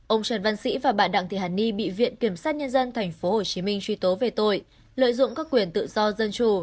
ông trần văn sĩ và bạn đặng thị hàn ni bị viện kiểm sát nhân dân tp hcm truy tố về tội lợi dụng các quyền tự do dân chủ